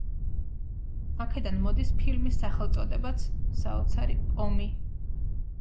აქედან მოდის ფილმის სახელწოდებაც – „საოცარი პომი“.